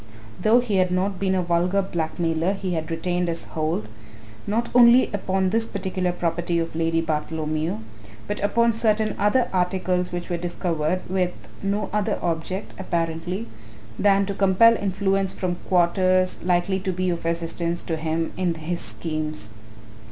Though he had not been a vulgar blackmailer he had retained his hold, not only upon this particular property of Lady Bartholomew, but upon certain other articles which were discovered, with no other object, apparently, than to compel influence from quarters likely to be of assistance to him in his schemes.